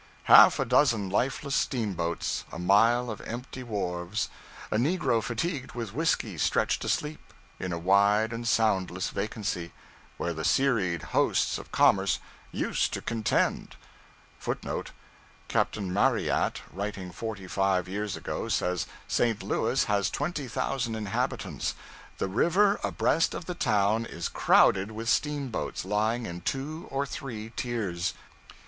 Half a dozen lifeless steamboats, a mile of empty wharves, a negro fatigued with whiskey stretched asleep, in a wide and soundless vacancy, where the serried hosts of commerce used to contend!{footnote [Capt. Marryat, writing forty five years ago says: 'St. Louis has 20,000 inhabitants. The river abreast of the town is crowded with steamboats, lying in two or three tiers.'